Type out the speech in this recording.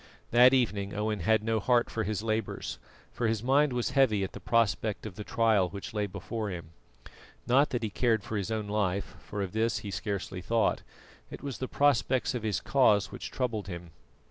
That evening Owen had no heart for his labours, for his mind was heavy at the prospect of the trial which lay before him. Not that he cared for his own life, for of this he scarcely thought; it was the prospects of his cause which troubled him.